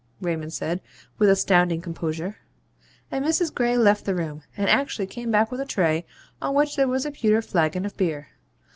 Raymond said, with astounding composure. And Mrs. Gray left the room, and actually came back with a tray on which there was a pewter flagon of beer.